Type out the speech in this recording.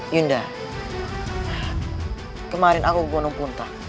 yunda kemarin aku ke gunung punto